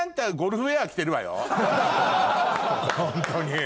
ホントに。